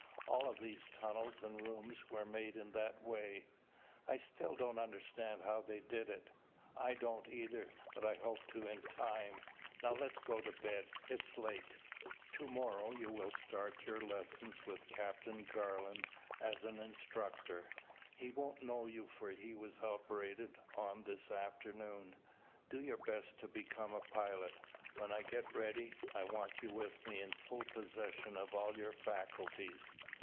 All of these tunnels and rooms were made in that way." "I still don't understand how they did it." "I don't either, but I hope to in time. Now let's go to bed. It's late. To morrow you will start your lessons with Captain Garland as an instructor. He won't know you for he was operated on this afternoon. Do your best to become a pilot. When I get ready, I want you with me in full possession of all your faculties."